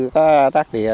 có tác địa đó